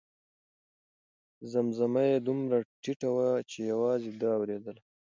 زمزمه یې دومره ټیټه وه چې یوازې ده اورېدله.